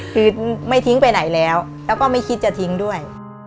คือไม่ทิ้งไปไหนแล้วแล้วก็ไม่คิดจะทิ้งด้วย